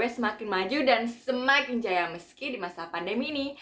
semakin maju dan semakin jaya meski di masa pandemi ini